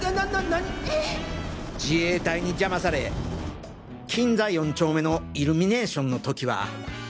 （和葉自衛隊に邪魔され錦座４丁目のイルミネーションの時は。